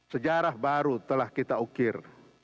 sejarah baru telah kita ukir